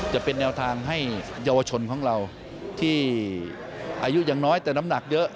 จะเป็นแนวทางให้เยาวชนของเราที่อายุยังน้อยแต่น้ำหนักเยอะ